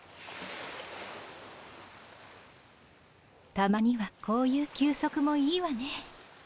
たまにはこういう休息もいいわね。